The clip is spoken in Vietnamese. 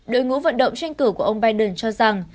đội ngũ vận động tranh cử của ông biden cho rằng